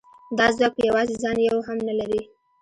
دا ځواک په یوازې ځان یو هم نه لري